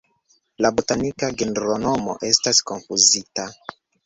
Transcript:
La botanika genronomo estas konfuzita.